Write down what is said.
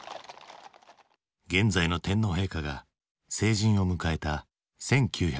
現在の天皇陛下が成人を迎えた１９８０年。